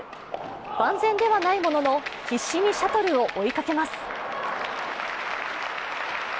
万全ではないものの必死にシャトルを追いかけます。